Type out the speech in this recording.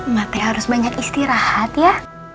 mak teh harus banyak istirahat ya